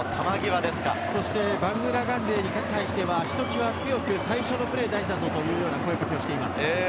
そして、バングーナガンデに対してはひときわ強く最初のプレーが大事だぞという声かけをしています。